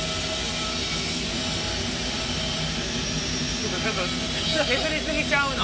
ちょっとちょっと削り過ぎちゃうの？